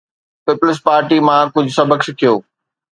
Peoples پارٽيءَ مان ڪجهه سبق سکيو.